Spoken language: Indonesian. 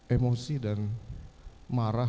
emosi dan marah